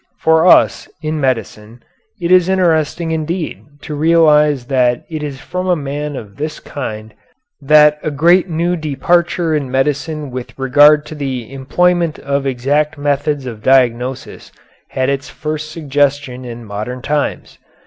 For us, in medicine, it is interesting indeed to realize that it is from a man of this kind that a great new departure in medicine with regard to the employment of exact methods of diagnosis had its first suggestion in modern times.